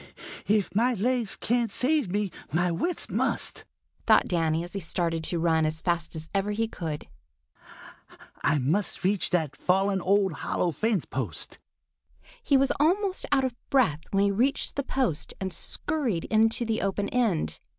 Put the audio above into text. "If my legs can't save me, my wits must," thought Danny as he started to run as fast as ever he could. "I must reach that fallen old hollow fence post." He was almost out of breath when he reached the post and scurried into the open end.